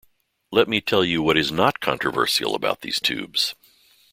Let me tell you what is not controversial about these tubes.